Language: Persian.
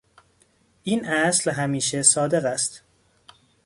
این اصل همیشه صادق است.